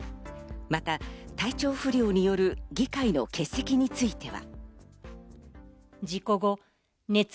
また体調不良による議会の欠席については。